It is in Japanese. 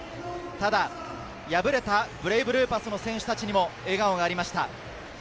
ただ敗れたブレイブルーパスの選手たちにも笑顔がありました。